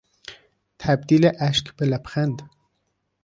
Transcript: تبدیل اشک به لبخند